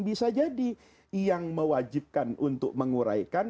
bisa jadi yang mewajibkan untuk menguraikan